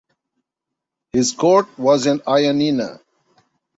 His court was in Ioannina.